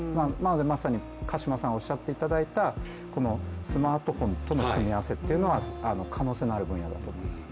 まさに鹿島さんがおっしゃっていただいたスマートフォンとの組み合わせというのは可能性のある分野だと思います。